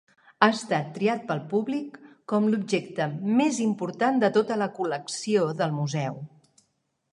Ha estat triat pel públic com l'objecte més important de tota la col·lecció del museu.